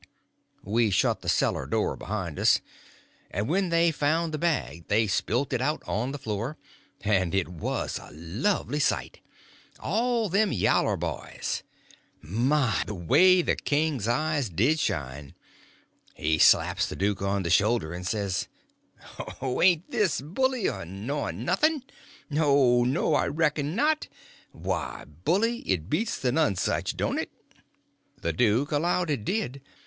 We shut the cellar door behind us, and when they found the bag they spilt it out on the floor, and it was a lovely sight, all them yaller boys. My, the way the king's eyes did shine! He slaps the duke on the shoulder and says: "Oh, this ain't bully nor noth'n! Oh, no, I reckon not! Why, Bilji, it beats the Nonesuch, don't it?" The duke allowed it did.